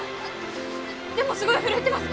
でもすごい震えてます。